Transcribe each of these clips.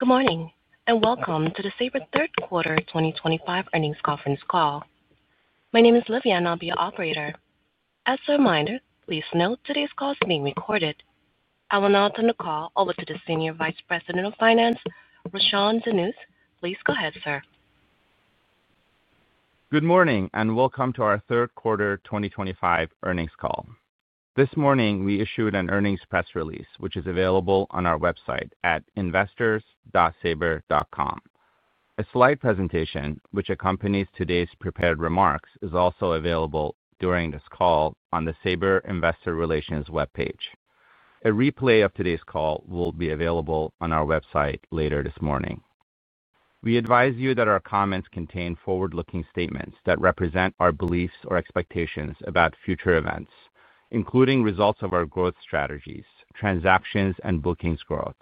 Good morning and welcome to the Sabre third quarter 2025 earnings conference call. My name is Livia, and I'll be your operator. As a reminder, please note today's call is being recorded. I will now turn the call over to the Senior Vice President of Finance, Roshan Kancharla. Please go ahead, sir. Good morning and welcome to our third quarter 2025 earnings call. This morning, we issued an earnings press release, which is available on our website at investors.sabre.com. A slide presentation, which accompanies today's prepared remarks, is also available during this call on the Sabre Investor Relations webpage. A replay of today's call will be available on our website later this morning. We advise you that our comments contain forward-looking statements that represent our beliefs or expectations about future events, including results of our growth strategies, transactions and bookings growth,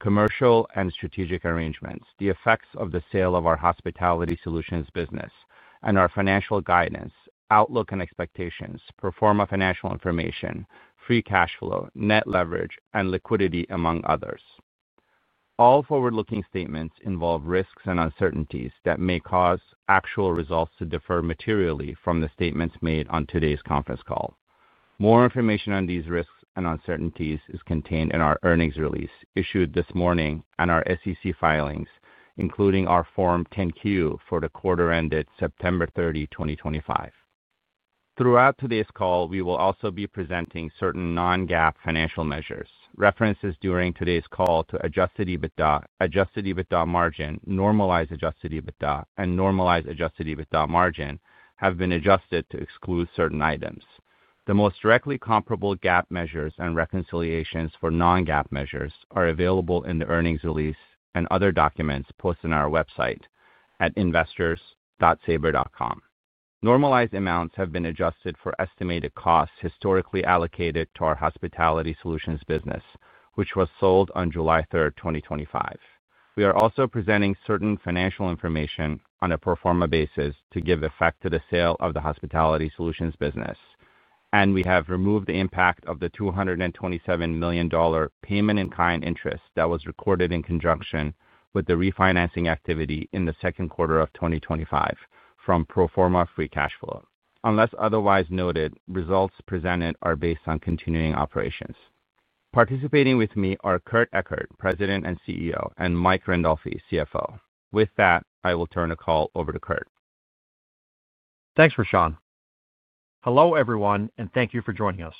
commercial and strategic arrangements, the effects of the sale of our Hospitality Solutions business, and our financial guidance, outlook and expectations, performance financial information, free cash flow, net leverage, and liquidity, among others. All forward-looking statements involve risks and uncertainties that may cause actual results to differ materially from the statements made on today's conference call. More information on these risks and uncertainties is contained in our earnings release issued this morning and our SEC filings, including our Form 10-Q for the quarter ended September 30, 2025. Throughout today's call, we will also be presenting certain non-GAAP financial measures. References during today's call to adjusted EBITDA, adjusted EBITDA margin, normalized adjusted EBITDA, and normalized adjusted EBITDA margin have been adjusted to exclude certain items. The most directly comparable GAAP measures and reconciliations for non-GAAP measures are available in the earnings release and other documents posted on our website at investors.sabre.com. Normalized amounts have been adjusted for estimated costs historically allocated to our Hospitality Solutions business, which was sold on July 3, 2025. We are also presenting certain financial information on a pro forma basis to give effect to the sale of the Hospitality Solutions business. We have removed the impact of the $227 million payment in kind interest that was recorded in conjunction with the refinancing activity in the second quarter of 2025 from pro forma free cash flow. Unless otherwise noted, results presented are based on continuing operations. Participating with me are Kurt Ekert, President and CEO, and Mike Randolfi, CFO. With that, I will turn the call over to Kurt. Thanks, Roshan. Hello everyone, and thank you for joining us.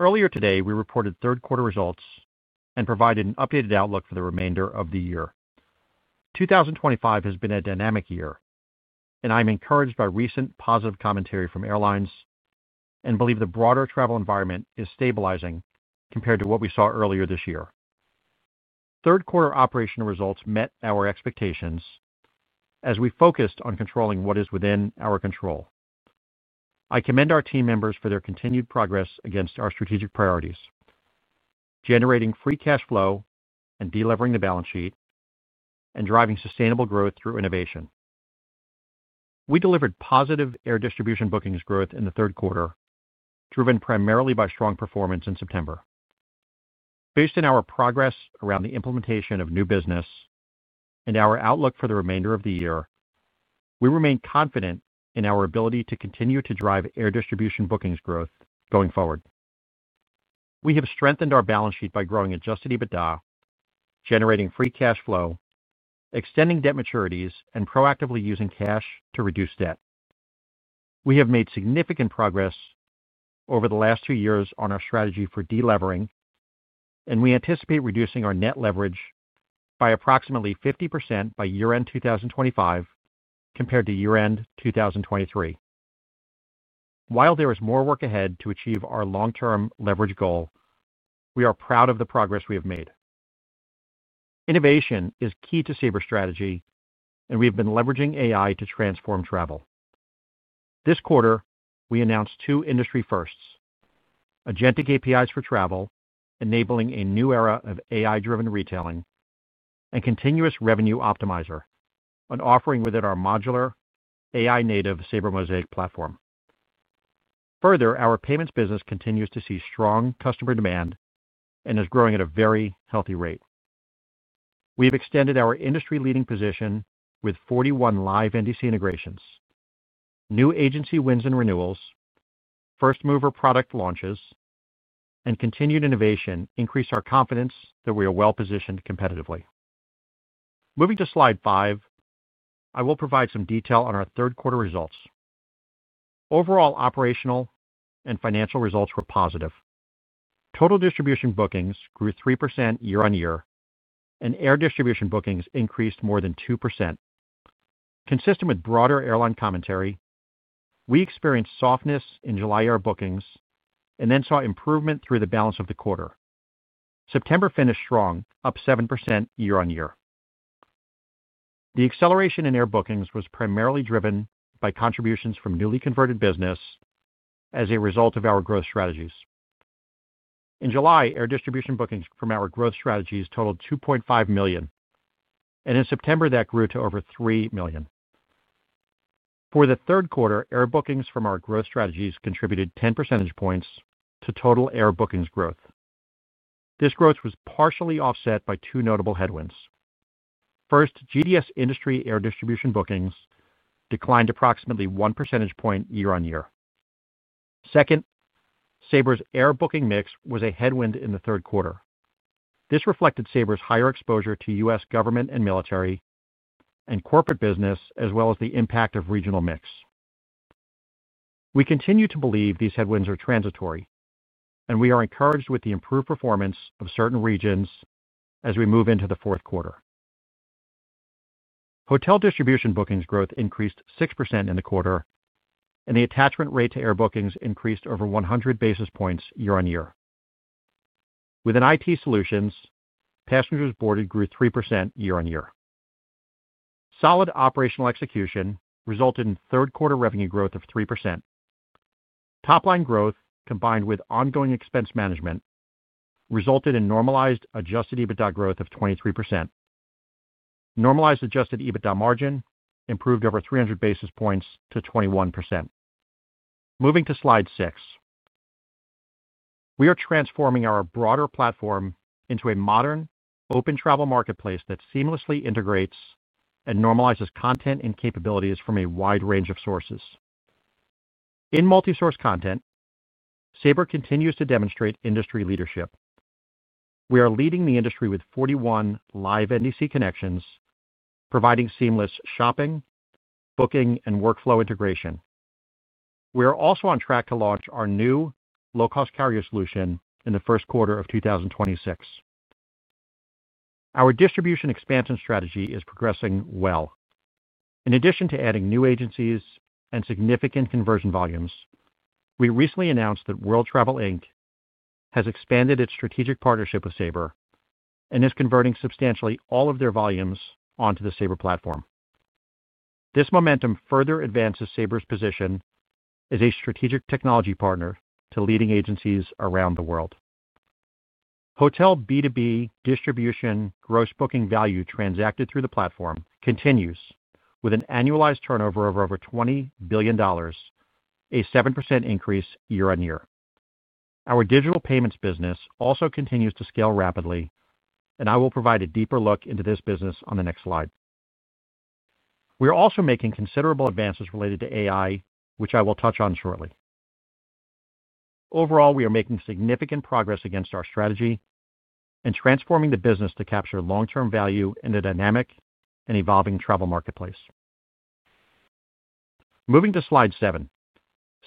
Earlier today, we reported third quarter results and provided an updated outlook for the remainder of the year. 2023 has been a dynamic year, and I'm encouraged by recent positive commentary from airlines and believe the broader travel environment is stabilizing compared to what we saw earlier this year. Third quarter operational results met our expectations. As we focused on controlling what is within our control, I commend our team members for their continued progress against our strategic priorities: generating free cash flow, deleveraging the balance sheet, and driving sustainable growth through innovation. We delivered positive air distribution bookings growth in the third quarter, driven primarily by strong performance in September. Based on our progress around the implementation of new business. Our outlook for the remainder of the year, we remain confident in our ability to continue to drive air distribution bookings growth going forward. We have strengthened our balance sheet by growing adjusted EBITDA, generating free cash flow, extending debt maturities, and proactively using cash to reduce debt. We have made significant progress over the last two years on our strategy for delivering. We anticipate reducing our net leverage by approximately 50% by year-end 2025 compared to year-end 2023. While there is more work ahead to achieve our long-term leverage goal, we are proud of the progress we have made. Innovation is key to Sabre's strategy, and we've been leveraging AI to transform travel. This quarter, we announced two industry firsts: agentic APIs for travel, enabling a new era of AI-driven retailing, and continuous revenue optimizer, an offering within our modular AI-native Sabre Mosaic platform. Further, our payments business continues to see strong customer demand and is growing at a very healthy rate. We've extended our industry-leading position with 41 live NDC integrations. New agency wins and renewals, first-mover product launches, and continued innovation increase our confidence that we are well-positioned competitively. Moving to slide five, I will provide some detail on our third quarter results. Overall operational and financial results were positive. Total distribution bookings grew 3% year-on-year, and air distribution bookings increased more than 2%. Consistent with broader airline commentary, we experienced softness in July air bookings and then saw improvement through the balance of the quarter. September finished strong, up 7% year-on-year. The acceleration in air bookings was primarily driven by contributions from newly converted business. As a result of our growth strategies. In July, air distribution bookings from our growth strategies totaled 2.5 million, and in September that grew to over 3 million. For the third quarter, air bookings from our growth strategies contributed 10 percentage points to total air bookings growth. This growth was partially offset by two notable headwinds. First, GDS industry air distribution bookings declined approximately 1 percentage point year-on-year. Second, Sabre's air booking mix was a headwind in the third quarter. This reflected Sabre's higher exposure to U.S. government and military and corporate business, as well as the impact of regional mix. We continue to believe these headwinds are transitory, and we are encouraged with the improved performance of certain regions as we move into the fourth quarter. Hotel distribution bookings growth increased 6% in the quarter, and the attachment rate to air bookings increased over 100 basis points year-on-year. Within IT solutions, passengers boarded grew 3% year-on-year. Solid operational execution resulted in third quarter revenue growth of 3%. Top-line growth combined with ongoing expense management resulted in normalized adjusted EBITDA growth of 23%. Normalized adjusted EBITDA margin improved over 300 basis points to 21%. Moving to slide six. We are transforming our broader platform into a modern, open travel marketplace that seamlessly integrates and normalizes content and capabilities from a wide range of sources. In multi-source content, Sabre continues to demonstrate industry leadership. We are leading the industry with 41 live NDC connections, providing seamless shopping, booking, and workflow integration. We are also on track to launch our new low-cost carrier solution in the first quarter of 2026. Our distribution expansion strategy is progressing well. In addition to adding new agencies and significant conversion volumes, we recently announced that WorldTravel Inc has expanded its strategic partnership with Sabre and is converting substantially all of their volumes onto the Sabre platform. This momentum further advances Sabre's position as a strategic technology partner to leading agencies around the world. Hotel B2B distribution gross booking value transacted through the platform continues with an annualized turnover of over $20 billion. A 7% increase year-on-year. Our digital payments business also continues to scale rapidly, and I will provide a deeper look into this business on the next slide. We are also making considerable advances related to AI, which I will touch on shortly. Overall, we are making significant progress against our strategy and transforming the business to capture long-term value in a dynamic and evolving travel marketplace. Moving to slide seven,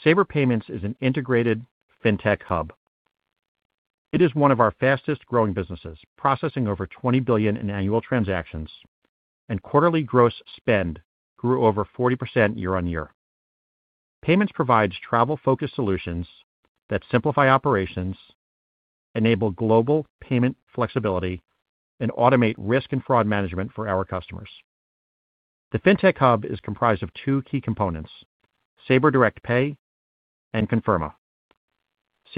Sabre Payments is an integrated fintech hub. It is one of our fastest-growing businesses, processing over $20 billion in annual transactions, and quarterly gross spend grew over 40% year-on-year. Payments provides travel-focused solutions that simplify operations, enable global payment flexibility, and automate risk and fraud management for our customers. The fintech hub is comprised of two key components: Sabre Direct Pay and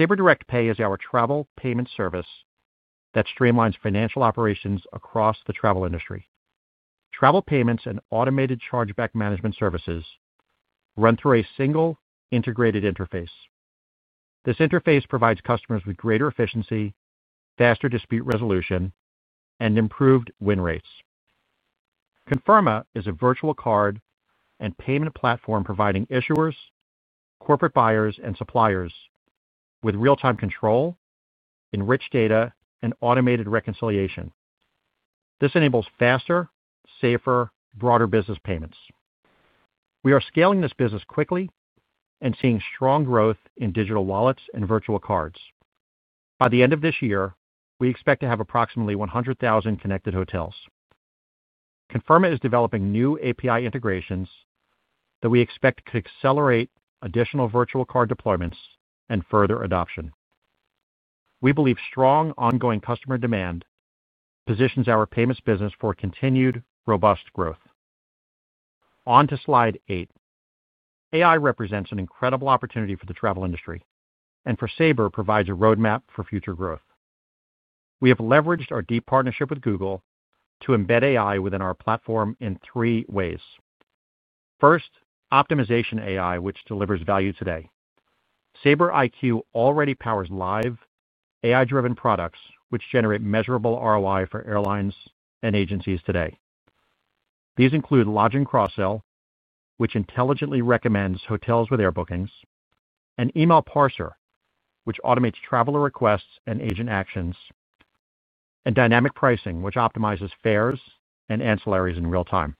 Conferma. Sabre Direct Pay is our travel payment service that streamlines financial operations across the travel industry. Travel payments and automated chargeback management services run through a single integrated interface. This interface provides customers with greater efficiency, faster dispute resolution, and improved win rates. Conferma is a virtual card and payment platform providing issuers, corporate buyers, and suppliers with real-time control, enriched data, and automated reconciliation. This enables faster, safer, broader business payments. We are scaling this business quickly and seeing strong growth in digital wallets and virtual cards. By the end of this year, we expect to have approximately 100,000 connected hotels. Conferma is developing new API integrations that we expect could accelerate additional virtual card deployments and further adoption. We believe strong ongoing customer demand positions our payments business for continued robust growth. On to slide eight. AI represents an incredible opportunity for the travel industry and for Sabre provides a roadmap for future growth. We have leveraged our deep partnership with Google to embed AI within our platform in three ways. First, optimization AI, which delivers value today. Sabre IQ already powers live AI-driven products, which generate measurable ROI for airlines and agencies today. These include Lodging Cross-sell, which intelligently recommends hotels with air bookings, an Email Parser, which automates traveler requests and agent actions, and Dynamic Pricing, which optimizes fares and ancillaries in real time.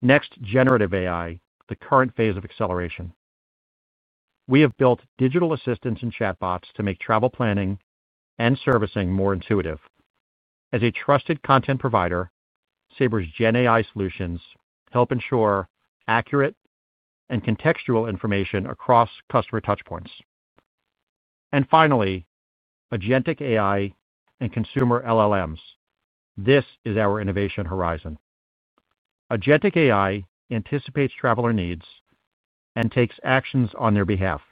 Next, generative AI, the current phase of acceleration. We have built digital assistants and chatbots to make travel planning and servicing more intuitive. As a trusted content provider, Sabre's GenAI solutions help ensure accurate and contextual information across customer touchpoints. Finally, agentic AI and consumer LLMs. This is our innovation horizon. Agentic AI anticipates traveler needs and takes actions on their behalf.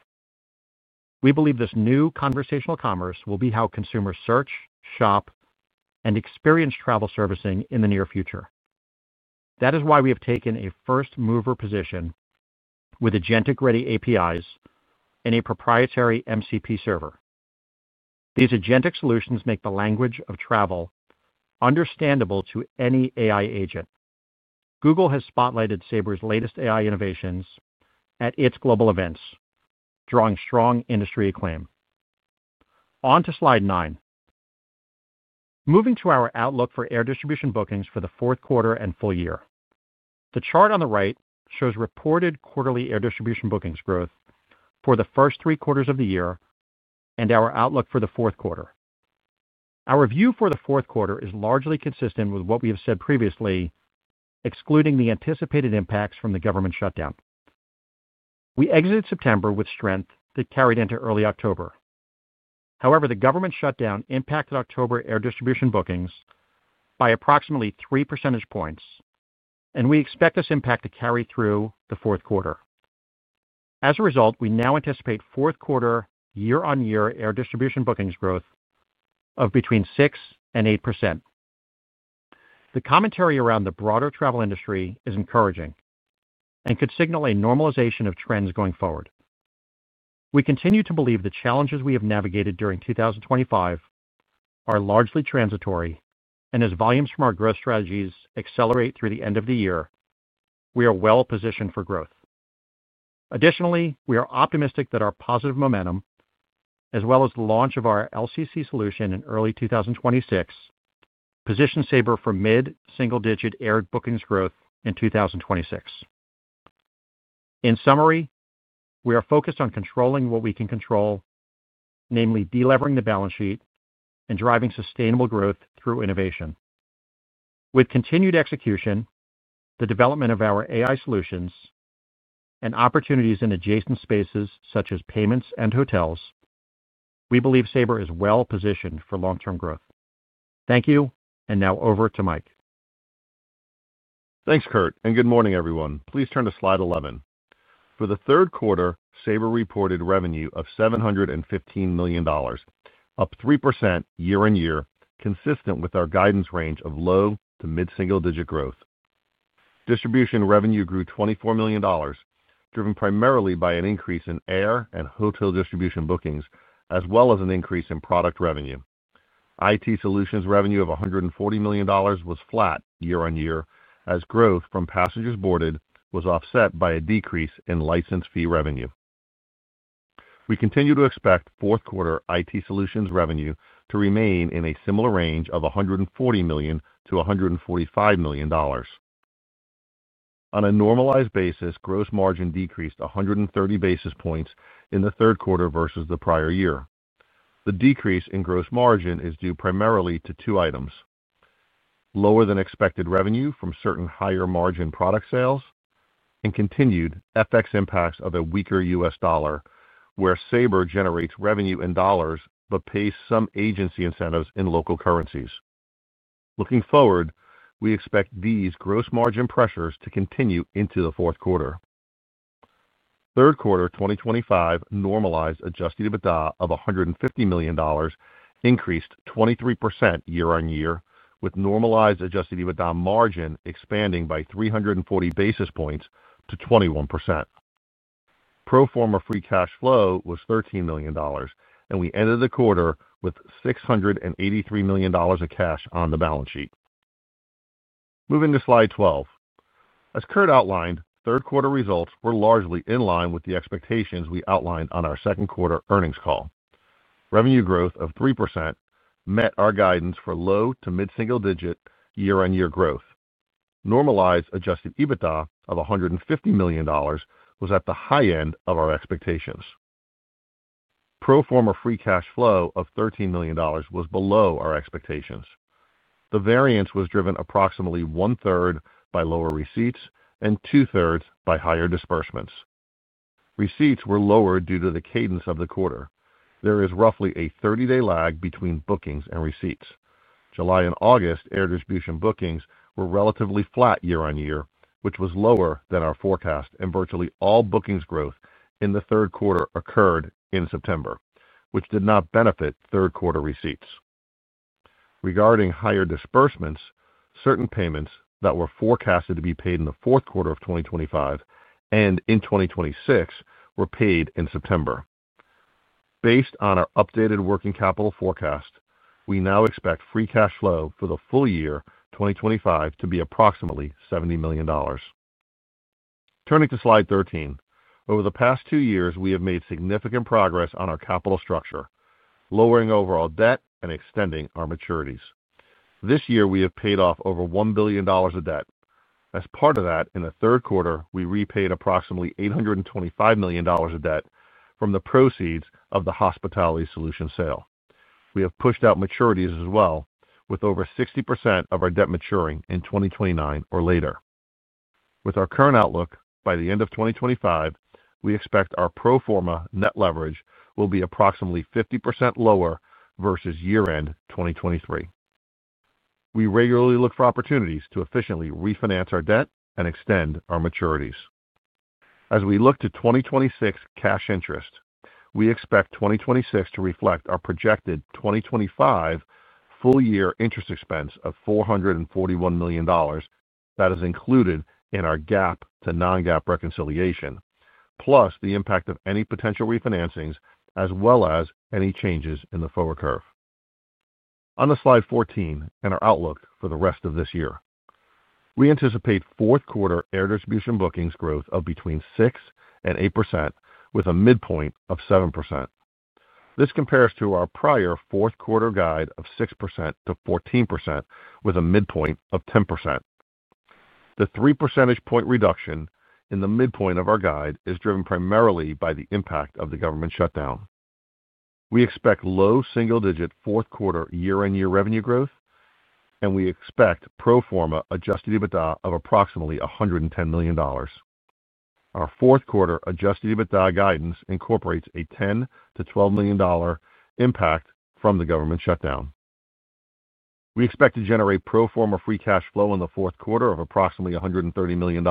We believe this new conversational commerce will be how consumers search, shop, and experience travel servicing in the near future. That is why we have taken a first-mover position. With agentic-ready APIs and a proprietary MCP server. These agentic solutions make the language of travel understandable to any AI agent. Google has spotlighted Sabre's latest AI innovations at its global events, drawing strong industry acclaim. On to slide nine. Moving to our outlook for air distribution bookings for the fourth quarter and full year. The chart on the right shows reported quarterly air distribution bookings growth for the first three quarters of the year and our outlook for the fourth quarter. Our view for the fourth quarter is largely consistent with what we have said previously. Excluding the anticipated impacts from the government shutdown. We exited September with strength that carried into early October. However, the government shutdown impacted October air distribution bookings by approximately 3 percentage points, and we expect this impact to carry through the fourth quarter. As a result, we now anticipate fourth quarter year-on-year air distribution bookings growth of between 6% and 8%. The commentary around the broader travel industry is encouraging and could signal a normalization of trends going forward. We continue to believe the challenges we have navigated during 2025. Are largely transitory, and as volumes from our growth strategies accelerate through the end of the year, we are well-positioned for growth. Additionally, we are optimistic that our positive momentum, as well as the launch of our LCC solution in early 2026, positions Sabre for mid-single-digit air bookings growth in 2026. In summary, we are focused on controlling what we can control, namely delivering the balance sheet and driving sustainable growth through innovation. With continued execution, the development of our AI solutions, and opportunities in adjacent spaces such as payments and hotels, we believe Sabre is well-positioned for long-term growth. Thank you, and now over to Mike. Thanks, Kurt, and good morning, everyone. Please turn to slide 11. For the third quarter, Sabre reported revenue of $715 million, up 3% year-on-year, consistent with our guidance range of low to mid-single-digit growth. Distribution revenue grew $24 million, driven primarily by an increase in air and hotel distribution bookings, as well as an increase in product revenue. IT solutions revenue of $140 million was flat year-on-year, as growth from passengers boarded was offset by a decrease in license fee revenue. We continue to expect fourth quarter IT solutions revenue to remain in a similar range of $140 million-$145 million. On a normalized basis, gross margin decreased 130 basis points in the third quarter versus the prior year. The decrease in gross margin is due primarily to two items. Lower than expected revenue from certain higher margin product sales and continued FX impacts of a weaker U.S. dollar, where Sabre generates revenue in dollars but pays some agency incentives in local currencies. Looking forward, we expect these gross margin pressures to continue into the fourth quarter. Third quarter 2025 normalized adjusted EBITDA of $150 million. Increased 23% year-on-year, with normalized adjusted EBITDA margin expanding by 340 basis points to 21%. Pro forma free cash flow was $13 million, and we ended the quarter with $683 million of cash on the balance sheet. Moving to slide 12. As Kurt outlined, third quarter results were largely in line with the expectations we outlined on our second quarter earnings call. Revenue growth of 3% met our guidance for low- to mid-single-digit year-on-year growth. Normalized adjusted EBITDA of $150 million was at the high end of our expectations. Pro forma free cash flow of $13 million was below our expectations. The variance was driven approximately one-third by lower receipts and two-thirds by higher disbursements. Receipts were lower due to the cadence of the quarter. There is roughly a 30-day lag between bookings and receipts. July and August air distribution bookings were relatively flat year-on-year, which was lower than our forecast, and virtually all bookings growth in the third quarter occurred in September, which did not benefit third quarter receipts. Regarding higher disbursements, certain payments that were forecasted to be paid in the fourth quarter of 2025 and in 2026 were paid in September. Based on our updated working capital forecast, we now expect free cash flow for the full year 2025 to be approximately $70 million. Turning to slide 13, over the past two years, we have made significant progress on our capital structure, lowering overall debt and extending our maturities. This year, we have paid off over $1 billion of debt. As part of that, in the third quarter, we repaid approximately $825 million of debt from the proceeds of the Hospitality Solutions sale. We have pushed out maturities as well, with over 60% of our debt maturing in 2029 or later. With our current outlook, by the end of 2025, we expect our pro forma net leverage will be approximately 50% lower versus year-end 2023. We regularly look for opportunities to efficiently refinance our debt and extend our maturities. As we look to 2026 cash interest, we expect 2026 to reflect our projected 2025 full-year interest expense of $441 million. That is included in our GAAP to non-GAAP reconciliation, plus the impact of any potential refinancings, as well as any changes in the forward curve. On to slide 14 and our outlook for the rest of this year. We anticipate fourth quarter air distribution bookings growth of between 6% and 8%, with a midpoint of 7%. This compares to our prior fourth quarter guide of 6%-14%, with a midpoint of 10%. The 3 percentage point reduction in the midpoint of our guide is driven primarily by the impact of the government shutdown. We expect low single-digit fourth quarter year-on-year revenue growth, and we expect pro forma adjusted EBITDA of approximately $110 million. Our fourth quarter adjusted EBITDA guidance incorporates a $10-$12 million impact from the government shutdown. We expect to generate pro forma free cash flow in the fourth quarter of approximately $130 million.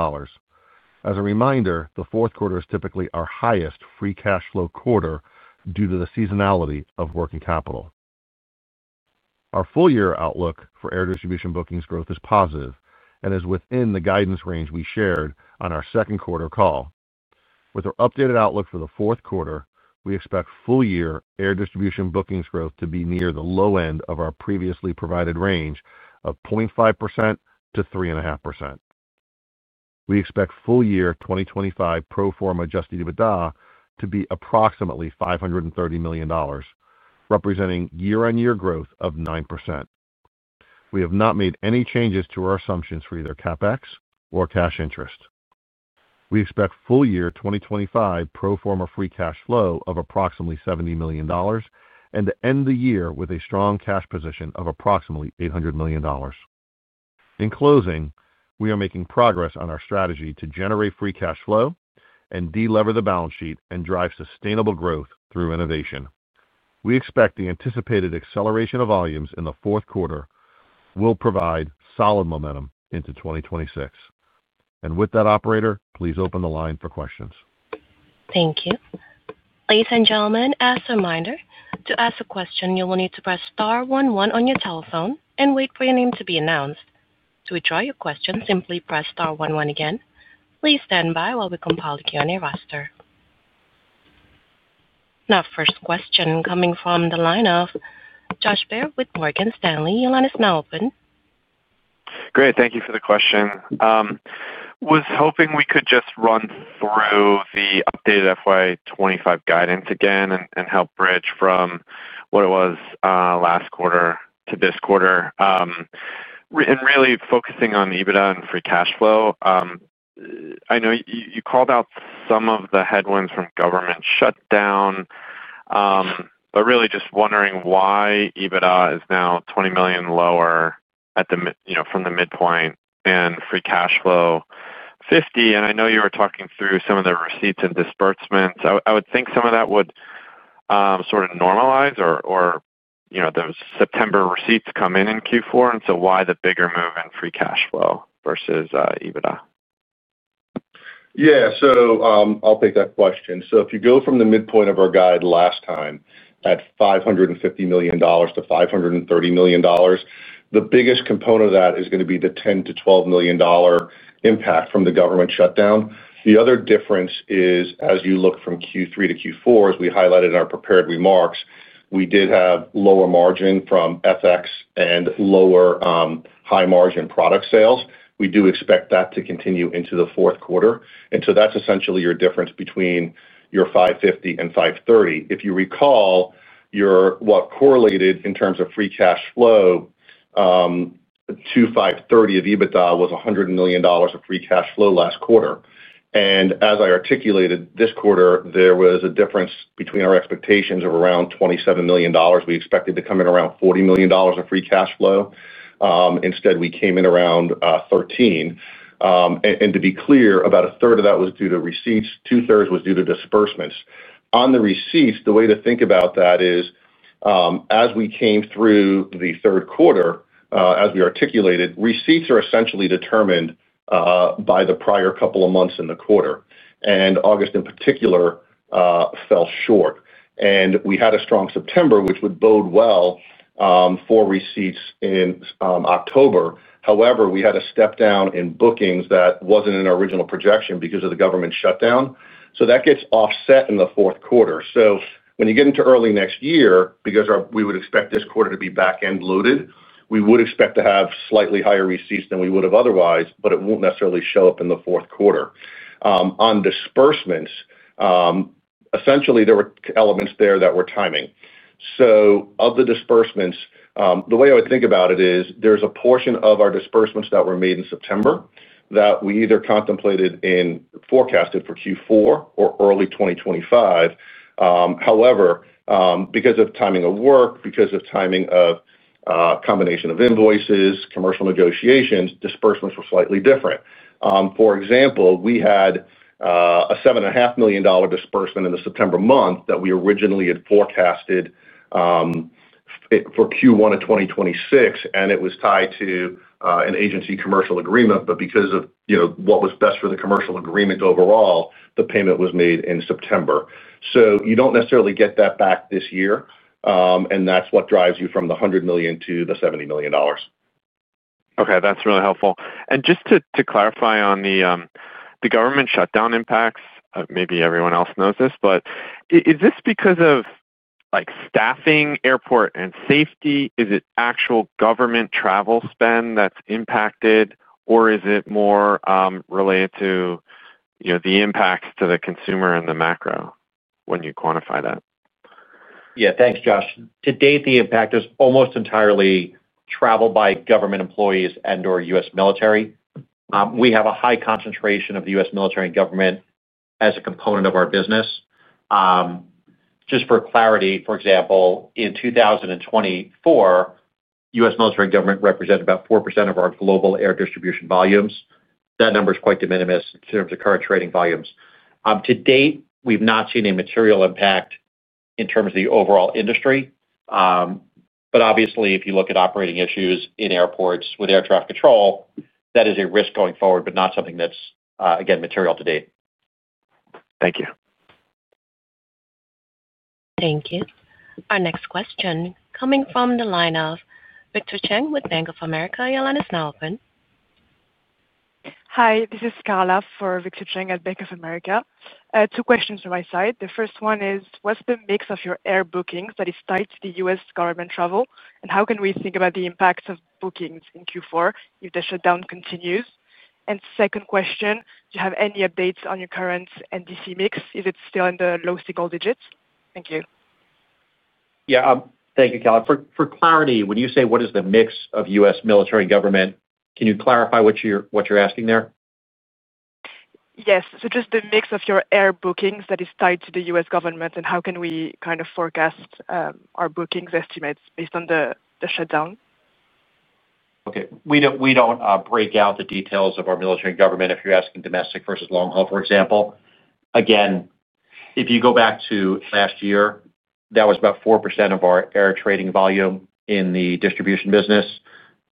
As a reminder, the fourth quarter is typically our highest free cash flow quarter due to the seasonality of working capital. Our full-year outlook for air distribution bookings growth is positive and is within the guidance range we shared on our second quarter call. With our updated outlook for the fourth quarter, we expect full-year air distribution bookings growth to be near the low end of our previously provided range of 0.5%-3.5%. We expect full-year 2025 pro forma adjusted EBITDA to be approximately $530 million, representing year-on-year growth of 9%. We have not made any changes to our assumptions for either CapEx or cash interest. We expect full-year 2025 pro forma free cash flow of approximately $70 million. We expect to end the year with a strong cash position of approximately $800 million. In closing, we are making progress on our strategy to generate free cash flow and deliver the balance sheet and drive sustainable growth through innovation. We expect the anticipated acceleration of volumes in the fourth quarter will provide solid momentum into 2026. Operator, please open the line for questions. Thank you. Ladies and gentlemen, as a reminder, to ask a question, you will need to press star 11 on your telephone and wait for your name to be announced. To withdraw your question, simply press star 11 again. Please stand by while we compile the Q&A roster. Now, first question coming from the line of Josh Baer with Morgan Stanley. Your line is now open. Great. Thank you for the question. Was hoping we could just run through the updated FY25 guidance again and help bridge from what it was last quarter to this quarter, and really focusing on EBITDA and free cash flow. I know you called out some of the headwinds from government shutdown, but really just wondering why EBITDA is now $20 million lower at the, you know, from the midpoint and free cash flow $50 million. And I know you were talking through some of the receipts and disbursements. I would think some of that would sort of normalize or, you know, those September receipts come in in Q4. Why the bigger move in free cash flow versus EBITDA? Yeah. I'll take that question. If you go from the midpoint of our guide last time at $550 million to $530 million, the biggest component of that is going to be the $10-$12 million impact from the government shutdown. The other difference is, as you look from Q3 to Q4, as we highlighted in our prepared remarks, we did have lower margin from FX and lower high margin product sales. We do expect that to continue into the fourth quarter. That is essentially your difference between your $550 million and $530 million. If you recall, what correlated in terms of free cash flow to $530 million of EBITDA was $100 million of free cash flow last quarter. As I articulated this quarter, there was a difference between our expectations of around $27 million. We expected to come in around $40 million of free cash flow. Instead, we came in around $13 million. And to be clear, about a third of that was due to receipts. Two-thirds was due to disbursements. On the receipts, the way to think about that is, as we came through the third quarter, as we articulated, receipts are essentially determined by the prior couple of months in the quarter. And August in particular fell short. And we had a strong September, which would bode well for receipts in October. However, we had a step down in bookings that was not in our original projection because of the government shutdown. So that gets offset in the fourth quarter. When you get into early next year, because we would expect this quarter to be back-end loaded, we would expect to have slightly higher receipts than we would have otherwise, but it will not necessarily show up in the fourth quarter. On disbursements, essentially, there were elements there that were timing. Of the disbursements, the way I would think about it is there is a portion of our disbursements that were made in September that we either contemplated and forecasted for Q4 or early 2025. However, because of timing of work, because of timing of combination of invoices, commercial negotiations, disbursements were slightly different. For example, we had a $7.5 million disbursement in the September month that we originally had forecasted for Q1 of 2026, and it was tied to an agency commercial agreement. Because of, you know, what was best for the commercial agreement overall, the payment was made in September. You do not necessarily get that back this year, and that is what drives you from the $100 million to the $70 million. Okay. That is really helpful. Just to clarify on the government shutdown impacts, maybe everyone else knows this, but is this because of, like, staffing, airport, and safety? Is it actual government travel spend that is impacted, or is it more related to, you know, the impacts to the consumer and the macro when you quantify that? Yeah. Thanks, Josh. To date, the impact is almost entirely travel by government employees and/or U.S. military. We have a high concentration of the U.S. military and government as a component of our business. Just for clarity, for example, in 2024, U.S. Military and government represent about 4% of our global air distribution volumes. That number is quite de minimis in terms of current trading volumes. To date, we've not seen a material impact in terms of the overall industry. Obviously, if you look at operating issues in airports with air traffic control, that is a risk going forward, but not something that's, again, material to date. Thank you. Thank you. Our next question coming from the line of Victor Cheng with Bank of America. Your line is now open. Hi. This is Scarla for Victor Cheng at Bank of America. Two questions from my side. The first one is, what's the mix of your air bookings that is tied to the U.S. government travel, and how can we think about the impacts of bookings in Q4 if the shutdown continues? Second question, do you have any updates on your current NDC mix? Is it still in the low single digits? Thank you. Yeah, thank you, Kell. For clarity, when you say what is the mix of U.S. military and government, can you clarify what you're asking there? Yes, so just the mix of your air bookings that is tied to the U.S. government, and how can we kind of forecast our bookings estimates based on the shutdown? Okay. We do not break out the details of our military and government if you're asking domestic versus long haul, for example. Again, if you go back to last year, that was about 4% of our air trading volume in the distribution business.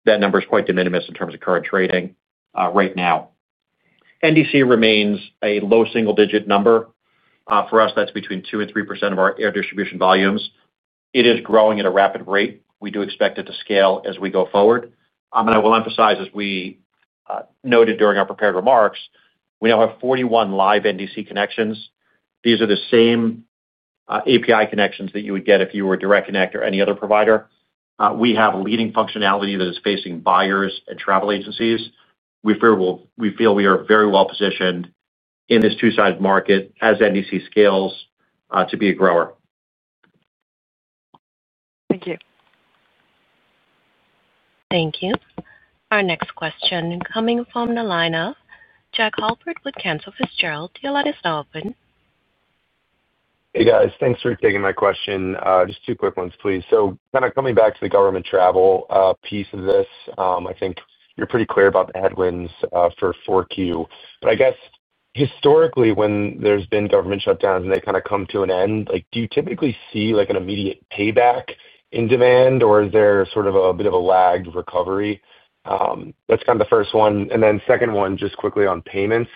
That number is quite de minimis in terms of current trading right now. NDC remains a low single-digit number. For us, that's between 2% and 3% of our air distribution volumes. It is growing at a rapid rate. We do expect it to scale as we go forward. I will emphasize, as we noted during our prepared remarks, we now have 41 live NDC connections. These are the same API connections that you would get if you were a Direct Connect or any other provider. We have leading functionality that is facing buyers and travel agencies. We feel we are very well positioned in this two-sided market as NDC scales, to be a grower. Thank you. Thank you. Our next question coming from the line of Jack Halford with Kents Office Gerald. Your line is now open. Hey, guys. Thanks for taking my question. Just two quick ones, please. Kind of coming back to the government travel piece of this, I think you're pretty clear about the headwinds for Q4. I guess historically, when there's been government shutdowns and they kind of come to an end, do you typically see an immediate payback in demand, or is there sort of a bit of a lagged recovery? That's kind of the first one. Second one, just quickly on payments,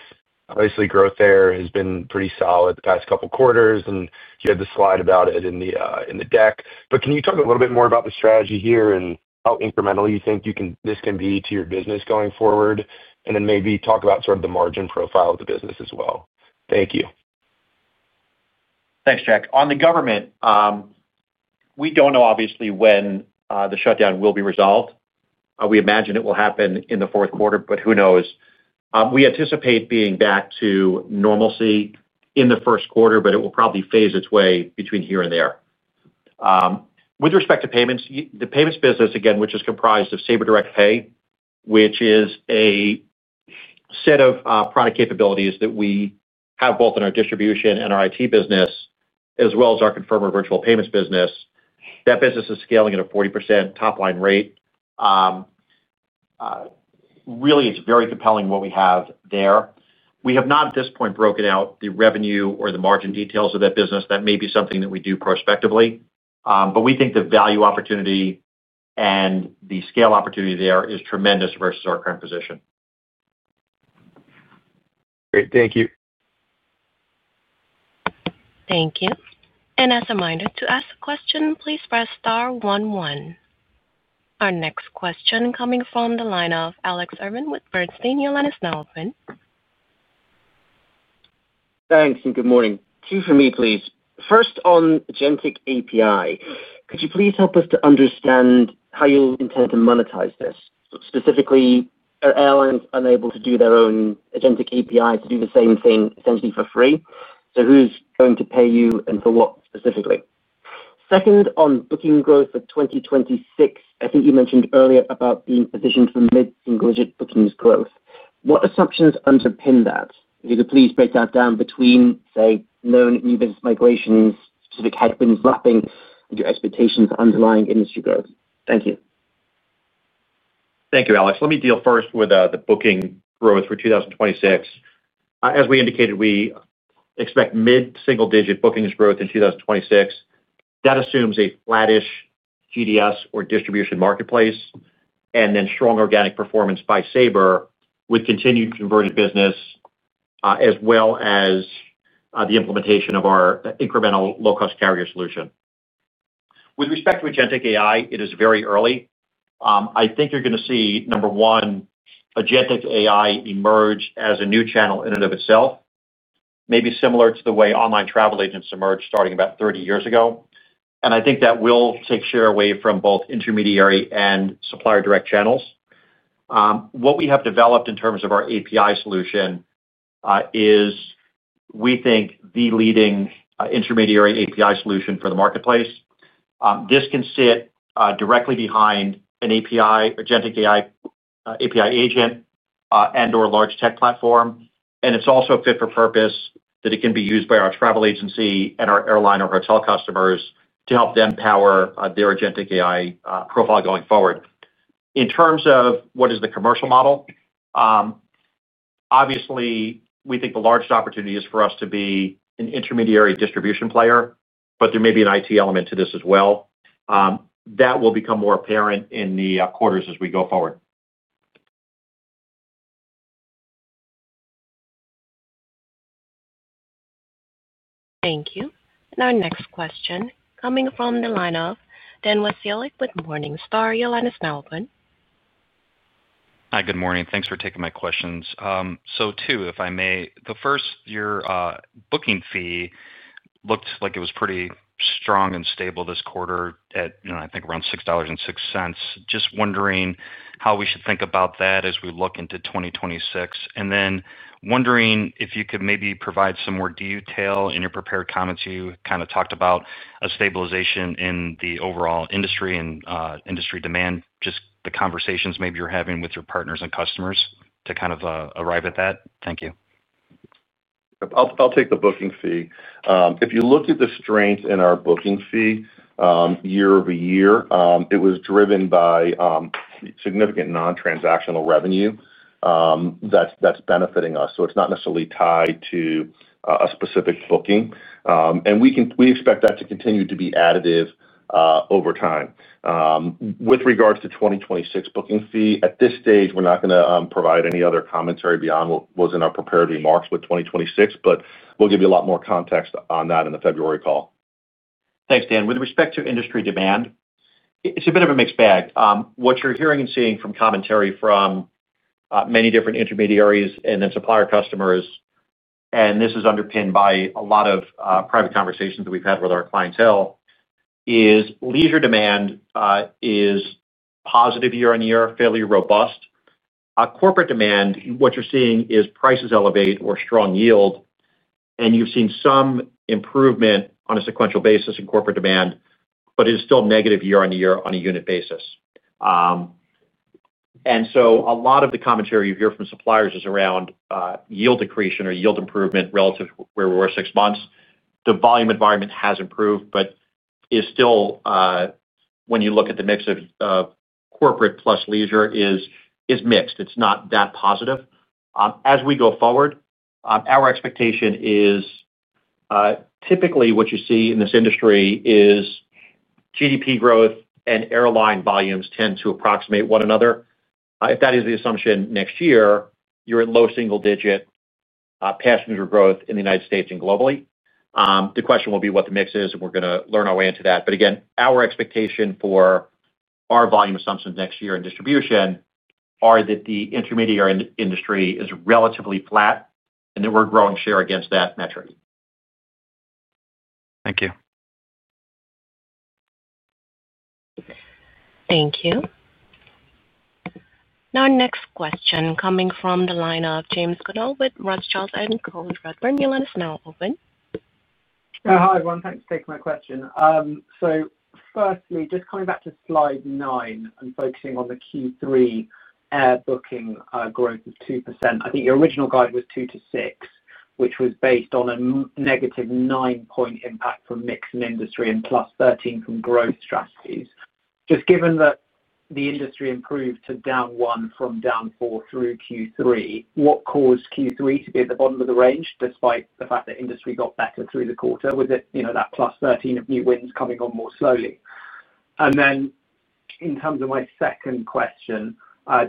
obviously growth there has been pretty solid the past couple of quarters, and you had the slide about it in the deck. Can you talk a little bit more about the strategy here and how incrementally you think this can be to your business going forward, and then maybe talk about sort of the margin profile of the business as well? Thank you. Thanks, Jack. On the government, we do not know obviously when the shutdown will be resolved. We imagine it will happen in the fourth quarter, but who knows? We anticipate being back to normalcy in the first quarter, but it will probably phase its way between here and there. With respect to payments, the payments business, again, which is comprised of Sabre Direct Pay, which is a set of product capabilities that we have both in our distribution and our IT business, as well as our Conferma virtual payments business. That business is scaling at a 40% top line rate. Really, it is very compelling what we have there. We have not at this point broken out the revenue or the margin details of that business. That may be something that we do prospectively. We think the value opportunity and the scale opportunity there is tremendous versus our current position. Great. Thank you. Thank you. As a reminder, to ask a question, please press star 11. Our next question coming from the line of Alex Urban with Bernstein. Your line is now open. Thanks and good morning. Two for me, please. First on Agentic API. Could you please help us to understand how you intend to monetize this? Specifically, are airlines unable to do their own agentic API to do the same thing essentially for free? Who's going to pay you and for what specifically? Second on booking growth for 2026, I think you mentioned earlier about being positioned for mid-single digit bookings growth. What assumptions underpin that? If you could please break that down between, say, known new business migrations, specific headwinds lapping, and your expectations for underlying industry growth. Thank you. Thank you, Alex. Let me deal first with the booking growth for 2026. As we indicated, we expect mid-single digit bookings growth in 2026. That assumes a flattish GDS or distribution marketplace and then strong organic performance by Sabre with continued converted business, as well as the implementation of our incremental low-cost carrier solution. With respect to Agentic AI, it is very early. I think you're going to see, number one, Agentic AI emerge as a new channel in and of itself, maybe similar to the way online travel agents emerged starting about 30 years ago. I think that will take share away from both intermediary and supplier direct channels. What we have developed in terms of our API solution is, we think, the leading intermediary API solution for the marketplace. This can sit directly behind an API, Agentic AI, API agent, and/or large tech platform. It is also fit for purpose that it can be used by our travel agency and our airline or hotel customers to help them power their Agentic AI profile going forward. In terms of what is the commercial model, obviously, we think the largest opportunity is for us to be an intermediary distribution player, but there may be an IT element to this as well. That will become more apparent in the quarters as we go forward. Thank you. Our next question coming from the line of Denver Seal with Morningstar. Your line is now open. Hi, good morning. Thanks for taking my questions. So two, if I may, the first year, booking fee looked like it was pretty strong and stable this quarter at, you know, I think around $6.06. Just wondering how we should think about that as we look into 2026. Wondering if you could maybe provide some more detail in your prepared comments. You kind of talked about a stabilization in the overall industry and industry demand, just the conversations maybe you're having with your partners and customers to kind of arrive at that. Thank you. I'll take the booking fee. If you look at the strength in our booking fee year-over-year, it was driven by significant non-transactional revenue that's benefiting us. So it's not necessarily tied to a specific booking. We expect that to continue to be additive over time. With regards to 2026 booking fee, at this stage, we're not going to provide any other commentary beyond what was in our prepared remarks with 2026, but we'll give you a lot more context on that in the February call. Thanks, Dan. With respect to industry demand, it's a bit of a mixed bag. What you're hearing and seeing from commentary from many different intermediaries and then supplier customers, and this is underpinned by a lot of private conversations that we've had with our clientele, is leisure demand is positive year-on-year, fairly robust. Corporate demand, what you're seeing is prices elevate or strong yield, and you've seen some improvement on a sequential basis in corporate demand, but it is still negative year-on-year on a unit basis. A lot of the commentary you hear from suppliers is around yield decrease or yield improvement relative to where we were six months. The volume environment has improved, but is still, when you look at the mix of corporate plus leisure, is mixed. It's not that positive. As we go forward, our expectation is typically what you see in this industry is GDP growth and airline volumes tend to approximate one another. If that is the assumption next year, you're at low single digit passenger growth in the United States and globally. The question will be what the mix is, and we're going to learn our way into that. Again, our expectation for our volume assumptions next year in distribution are that the intermediary industry is relatively flat and that we're growing share against that metric. Thank you. Thank you. Now, our next question coming from the line of James Goodall with Ross Charles and Cole Rutbird. Your line is now open. Hi everyone. Thanks for taking my question. So firstly, just coming back to slide nine and focusing on the Q3 air booking growth of 2%. I think your original guide was 2-6, which was based on a negative 9-point impact from mixed industry and plus 13 from growth strategies. Just given that the industry improved to down one from down four through Q3, what caused Q3 to be at the bottom of the range despite the fact that industry got better through the quarter with it, you know, that plus 13 of new wins coming on more slowly? In terms of my second question,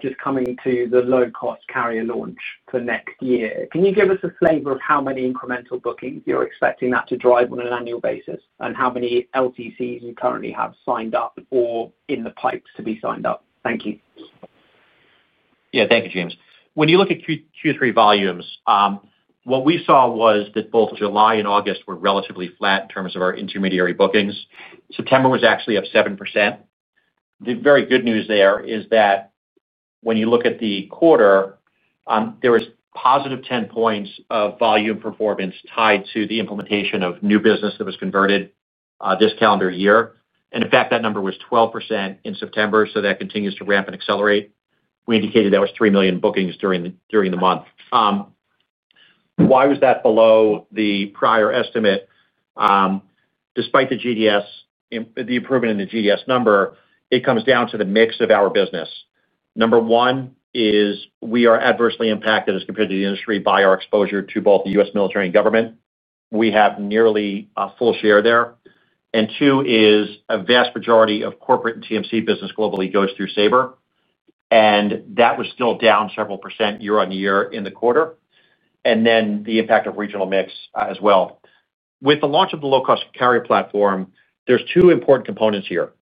just coming to the low-cost carrier launch for next year, can you give us a flavor of how many incremental bookings you're expecting that to drive on an annual basis and how many LCCs you currently have signed up or in the pipes to be signed up? Thank you. Yeah. Thank you, James. When you look at Q3 volumes, what we saw was that both July and August were relatively flat in terms of our intermediary bookings. September was actually up 7%. The very good news there is that when you look at the quarter, there was positive 10 points of volume performance tied to the implementation of new business that was converted this calendar year. In fact, that number was 12% in September, so that continues to ramp and accelerate. We indicated that was 3 million bookings during the month. Why was that below the prior estimate? Despite the improvement in the GDS number, it comes down to the mix of our business. Number one is we are adversely impacted as compared to the industry by our exposure to both the U.S. military and government. We have nearly a full share there. Two is a vast majority of corporate and TMC business globally goes through Sabre. That was still down several % year-on-year in the quarter. Then the impact of regional mix as well. With the launch of the low-cost carrier platform, there are two important components here.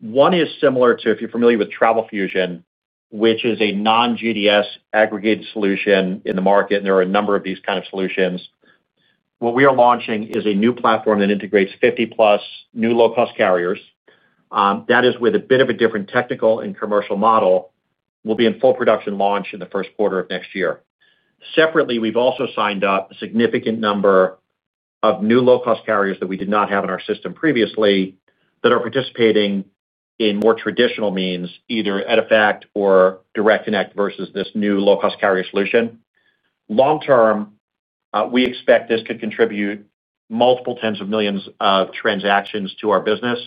One is similar to, if you're familiar with Travel Fusion, which is a non-GDS aggregated solution in the market, and there are a number of these kinds of solutions. What we are launching is a new platform that integrates 50-plus new low-cost carriers. That is with a bit of a different technical and commercial model. We'll be in full production launch in the first quarter of next year. Separately, we've also signed up a significant number of new low-cost carriers that we did not have in our system previously that are participating in more traditional means, either Edifact or Direct Connect versus this new low-cost carrier solution. Long-term, we expect this could contribute multiple tens of millions of transactions to our business.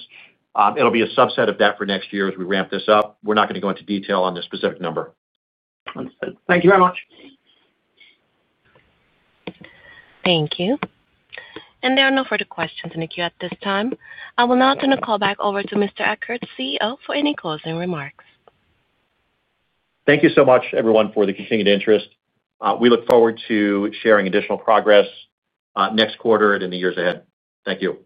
It'll be a subset of that for next year as we ramp this up. We're not going to go into detail on this specific number. Thank you very much. Thank you. There are no further questions in the queue at this time. I will now turn the call back over to Mr. Ekert, CEO, for any closing remarks. Thank you so much, everyone, for the continued interest. We look forward to sharing additional progress next quarter and in the years ahead. Thank you.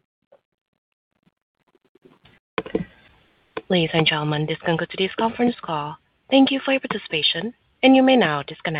Ladies and gentlemen, this concludes today's conference call. Thank you for your participation, and you may now disconnect.